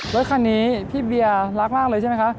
รถคันนี้พี่เบียร์รักมากเลยใช่ไหมคะ